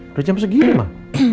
udah jam segini mak